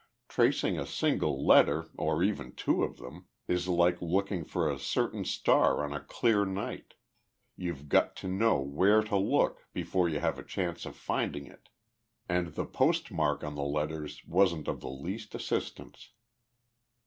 Tracing a single letter, or even two of them, is like looking for a certain star on a clear night you've got to know where to look before you have a chance of finding it and the postmark on the letters wasn't of the least assistance.